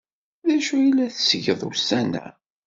D acu ay la tettgeḍ ussan-a?